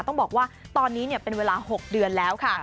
ต้องบอกว่าตอนนี้เป็นเวลา๖เดือนแล้วค่ะ